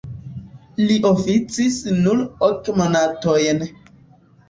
Li oficis nur ok monatojn.